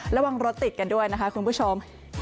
ระวังรถติดกันด้วยนะคะคุณผู้ชม